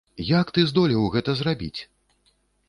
Як ты здолеў гэта зрабіць????